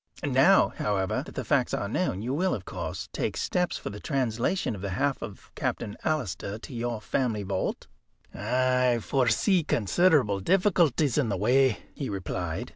"Now, however, that the facts are known, you will, of course, take steps for the translation of the half of Captain Alister to your family vault." "I foresee considerable difficulties in the way," he replied.